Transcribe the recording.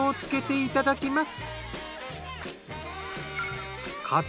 いただきます。